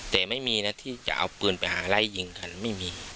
แต่ไม่มีนะที่จะเอาปืนไปหาไล่ยิงกันไม่มี